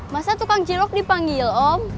masa tukang jelok dipanggil om